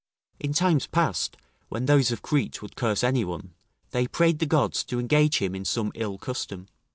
In times past, when those of Crete would curse any one, they prayed the gods to engage him in some ill custom.